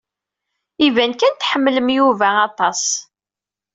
Iban kan tḥemmlem Yuba aṭas.